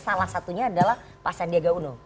salah satunya adalah pak sandiaga uno